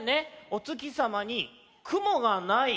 お月さまに雲が無い。